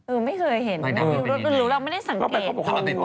เออไม่เคยเห็นนะไม่ึกน่ะ